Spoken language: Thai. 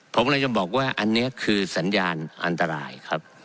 ผมเลยจะบอกว่าอันนี้คือสัญญาณอันตรายครับ